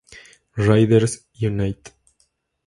Riders, unite!